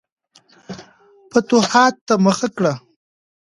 فتوحاتو ته مخه کړه.